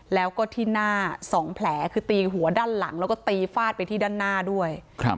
แล้วก็ที่หน้า๒แผลคือตีหัวด้านหลังแล้วก็ตีฟาดไปที่ด้านหน้าด้วย